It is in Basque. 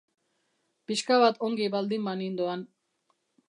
Pixka bat ongi baldin banindoan.